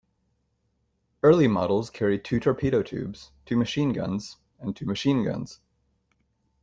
Early models carried two torpedo tubes, two machine guns and two machine guns.